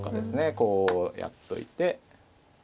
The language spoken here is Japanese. こうやっといて。